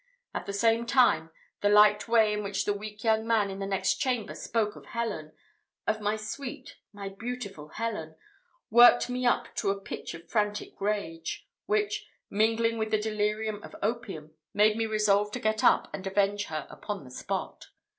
At the same time, the light way in which the weak young man in the next chamber spoke of Helen of my sweet, my beautiful Helen worked me up to a pitch of frantic rage, which, mingling with the delirium of opium, made me resolve to get up and avenge her upon the spot.